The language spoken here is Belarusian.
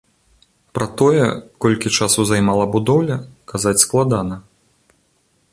Пра тое, колькі часу займала будоўля, казаць складана.